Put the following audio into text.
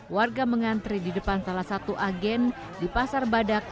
warga mengantri di depan salah satu agen di pasar badak